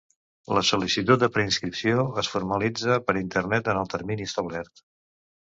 La sol·licitud de preinscripció es formalitza per Internet en el termini establert.